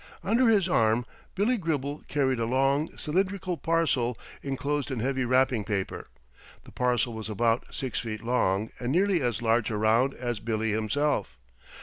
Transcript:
Under his arm, Billy Gribble carried a long, cylindrical parcel enclosed in heavy wrapping paper. The parcel was about six feet long and nearly as large around as Billy himself.